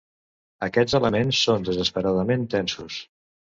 Aquests elements són desesperadament tensos.